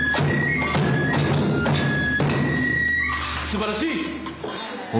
すばらしい！